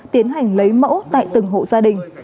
tiến hành lấy mẫu tại từng hộ gia đình